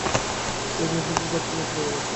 শশী নিঃশব্দে ভাত ফেলিয়া চলিয়া গেল।